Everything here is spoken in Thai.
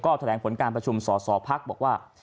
แถลงผลการประชุมสอสอพักบอกว่า